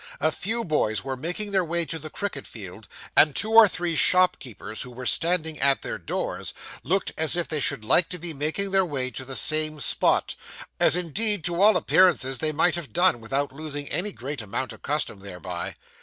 A few boys were making their way to the cricket field; and two or three shopkeepers who were standing at their doors looked as if they should like to be making their way to the same spot, as indeed to all appearance they might have done, without losing any great amount of custom thereby.